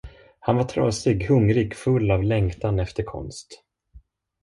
Han var trasig, hungrig, full av längtan efter konst.